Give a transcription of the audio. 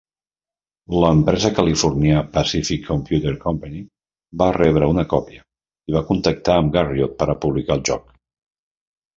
L'empresa Califòrnia Pacific Computer Company va rebre una còpia, i va contactar amb Garriott per a publicar el joc.